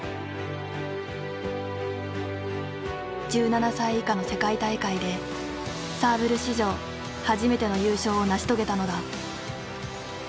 １７歳以下の世界大会でサーブル史上初めての優勝を成し遂げたのだ。